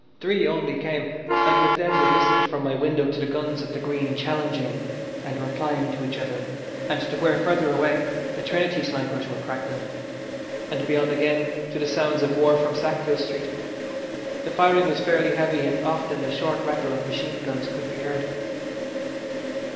Three only came, and with them we listened from my window to the guns at the Green challenging and replying to each other, and to where, further away, the Trinity snipers were crackling, and beyond again to the sounds of war from Sackville Street. The firing was fairly heavy, and often the short rattle of machine guns could be heard.